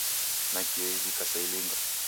Nakio ivika saa ilinga